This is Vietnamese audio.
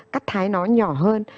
cắt thái nó nhỏ hơn